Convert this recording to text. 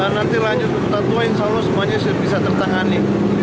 nanti lanjut ke kota tua insya allah semuanya sudah bisa tertangani